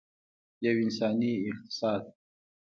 یو انساني اقتصاد.